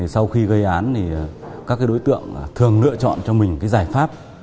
sau khi gây án thì các đối tượng thường lựa chọn cho mình giải pháp